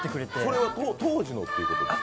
それは当時のっていうことですか？